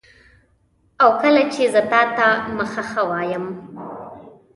او کله چي زه تاته مخه ښه وایم